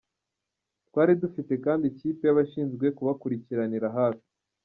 Twari dufite kandi ikipe yabashinzwe kubakurikiranira hafi.